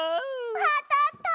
あたった！